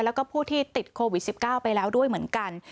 แล้วก็ผู้ที่ติดโควิด๑๙ไปแล้วด้วยเหมือนกัน